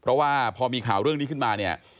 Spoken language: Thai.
เพราะว่าพอมีข่าวเรื่องนี้ขึ้นมาเนี่ย